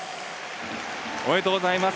おめでとうございます。